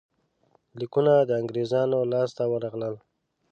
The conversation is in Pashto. لیکونه د انګرېزانو لاسته ورغلل.